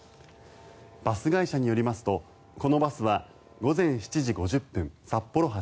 バス会社によりますとこのバスは午前７時５０分札幌発